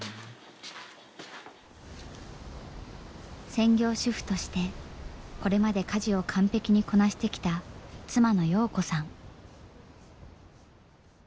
専業主婦としてこれまで家事を完璧にこなしてきた妻の洋子さん。